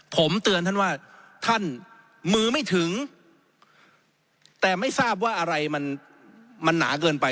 ผมเตือนท่านว่าท่านมือไม่ถึงแต่ไม่ทราบว่าอะไรมันมันหนาเกินไป